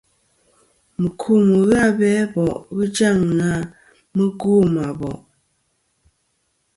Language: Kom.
Mùkum ghɨ abe a bò' ghɨ jaŋ na mugwo mɨ a bò'.